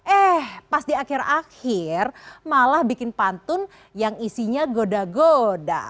eh pas di akhir akhir malah bikin pantun yang isinya goda goda